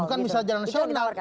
bukan bisa jalan nasional